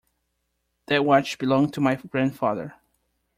That watch belonged to my grandfather.